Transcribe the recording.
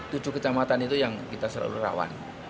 tujuh kecamatan itu yang kita selalu rawan